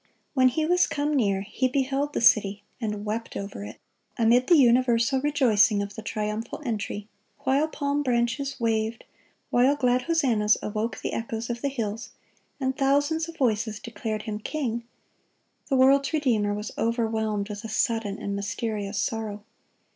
"When He was come near, He beheld the city, and wept over it."(3) Amid the universal rejoicing of the triumphal entry, while palm branches waved, while glad hosannas awoke the echoes of the hills, and thousands of voices declared Him king, the world's Redeemer was overwhelmed with a sudden and mysterious sorrow.